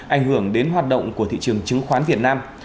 ảnh hưởng đến hoạt động của thị trường chứng khoán việt nam